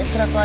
ambil pak nih